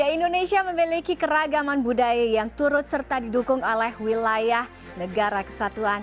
indonesia memiliki keragaman budaya yang turut serta didukung oleh wilayah negara kesatuan